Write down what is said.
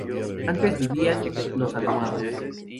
Antes vivían los Almohadas.